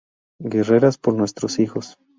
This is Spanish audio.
Guerreras por nuestros hijos".